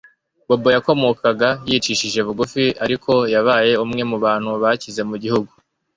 Bobo yakomokaga yicishije bugufi ariko yabaye umwe mu bantu bakize mu gihugu